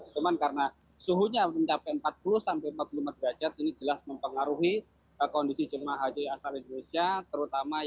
cuman karena suhunya mencapai empat puluh sampai empat puluh lima derajat ini jelas mempengaruhi kondisi jemaah haji asal indonesia